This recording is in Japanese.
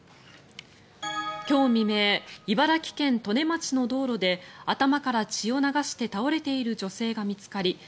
今日未明、茨城県利根町の道路で頭から血を流して倒れている女性が見つかり